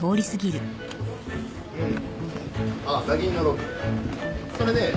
うん。